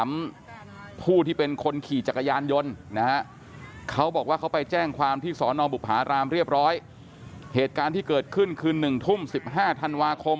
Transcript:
บุษฎาหรามเรียบร้อยเหตุการณ์ที่เกิดขึ้นคืน๑ทุ่ม๑๕ธันวาคม